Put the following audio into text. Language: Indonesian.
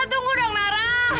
nara tunggu dong nara